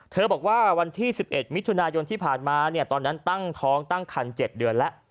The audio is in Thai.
บอกว่าวันที่๑๑มิถุนายนที่ผ่านมาตอนนั้นตั้งท้องตั้งคัน๗เดือนแล้ว